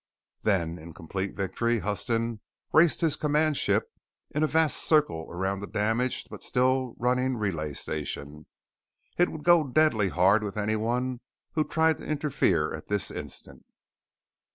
Then, in complete victory, Huston raced his command ship in a vast circle around the damaged but still running Relay Station. It would go deadly hard with anyone who tried to interfere at this instant.